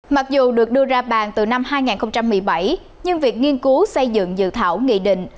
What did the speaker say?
mặc dù được đưa ra bàn từ năm hai nghìn một mươi bảy nhưng việc nghiên cứu xây dựng dự thảo nghị định